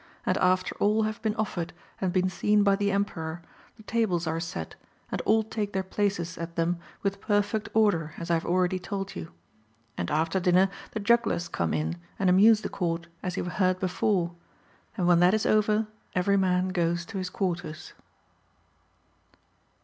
And after all have been offered and been seen by the Emperor, the tables are set, and all take their places at them with perfect order as I have already told you. And after dinner the jugglers come in and amuse the Court as you have heard before ; and when that is over, every man goes to his quarters.